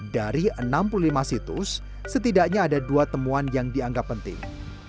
dari enam puluh lima situs setidaknya ada dua temuan yang dianggap penting